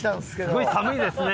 すごい寒いですね！